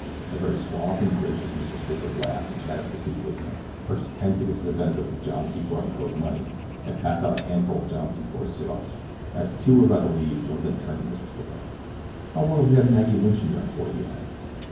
A very suave and gracious Mr. Stickler laughed and chatted with the two policemen, purchased ten tickets to the benefit with John Secor & Co.'s money, and passed out a handful of John Secor & Co.'s cigars. As the two were about to leave, one of them turned to Mr. Stickler. "How long have you had Maggie Lynch in your employ?" he asked.